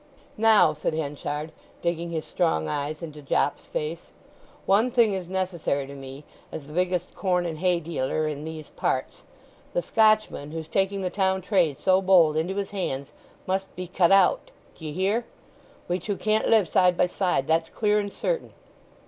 "Now," said Henchard, digging his strong eyes into Jopp's face, "one thing is necessary to me, as the biggest corn and hay dealer in these parts. The Scotchman, who's taking the town trade so bold into his hands, must be cut out. D'ye hear? We two can't live side by side—that's clear and certain."